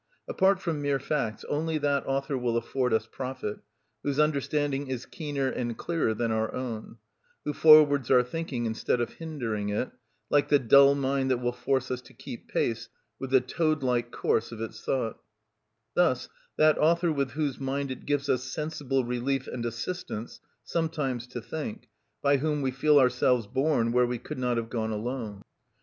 Apart from mere facts, only that author will afford us profit whose understanding is keener and clearer than our own, who forwards our thinking instead of hindering it, like the dull mind that will force us to keep pace with the toad like course of its thought; thus that author with whose mind it gives us sensible relief and assistance sometimes to think, by whom we feel ourselves borne where we could not have gone alone.